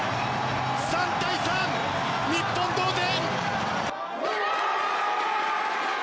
３対３、日本同点！